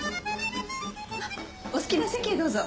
お好きな席へどうぞ。